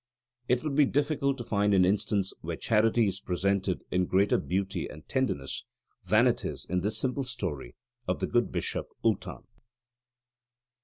It would be difficult to find an instance where charity is presented in greater beauty and tenderness than it is in this simple story of the good bishop Ultan.